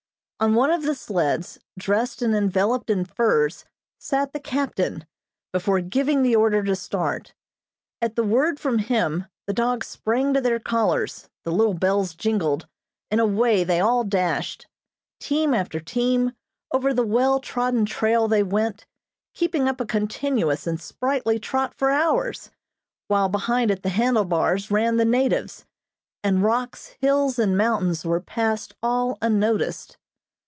On one of the sleds, dressed and enveloped in furs, sat the captain, before giving the order to start. At the word from him, the dogs sprang to their collars, the little bells jingled, and away they all dashed. Team after team, over the well trodden trail they went, keeping up a continuous and sprightly trot for hours, while behind at the handle bars ran the natives, and rocks, hills and mountains were passed all unnoticed.